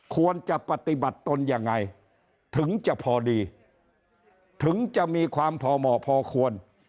ควรจะปฏิบัติตนยังไงถึงจะพอดีถึงจะมีความพอเหมาะพอควร